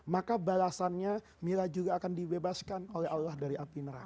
maka balasannya mila juga akan dibebaskan oleh allah dari api neraka